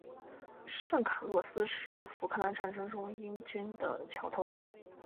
圣卡洛斯是福克兰战争中英军的桥头堡。